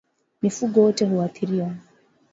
Mifugo wote huathiriwa